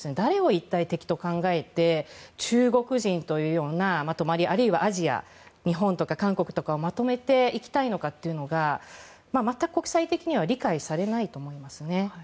一体、誰を敵と考えて中国人というまとまりあるいはアジア日本とか韓国とかをまとめていきたいのかというのが全く国際的には理解されないと思いますね。